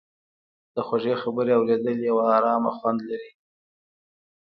د خوږې خبرې اورېدل یو ارامه خوند لري.